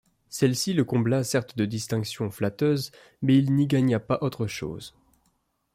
Celle-ci le combla certes de distinctions flatteuses, mais il n’y gagna pas autre chose.